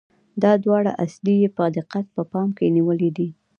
دا دواړه اصله یې په دقت په پام کې نیولي دي.